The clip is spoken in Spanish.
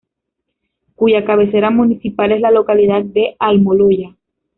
Cuya cabecera municipal es la localidad de Almoloya.